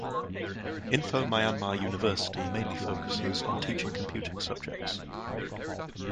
Info Myanmar University mainly focuses on teaching computing subjects.